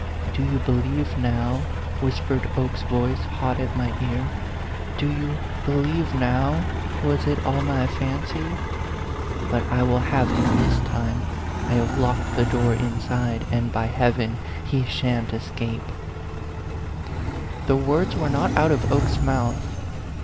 "Do you believe now?" whispered Oke's voice hot at my ear. " Do you believe now ? Was it all my fancy? But I will have him this time. I have locked the door inside, and, by Heaven ! he shaVt escape !" A PHANTOM LOVER 133 The words were not out of Oke's mouth.